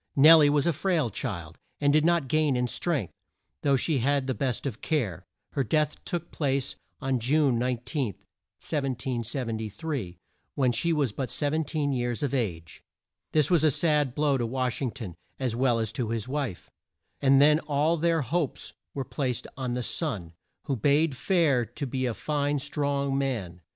Nel lie was a frail child, and did not gain in strength, though she had the best of care. Her death took place June 19, 1773, when she was but 17 years of age. This was a sad blow to Wash ing ton, as well as to his wife, and then all their hopes were placed on the son, who bade fair to be a fine strong man.